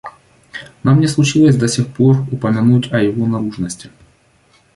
Нам не случилось до сих пор упомянуть о его наружности.